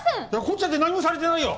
こっちだって何もされてないよ！